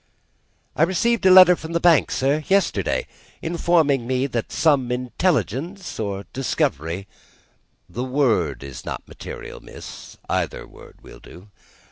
"I received a letter from the Bank, sir, yesterday, informing me that some intelligence or discovery " "The word is not material, miss; either word will do."